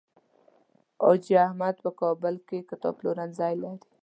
حاجي احمد په کابل کې کتاب پلورنځی لري.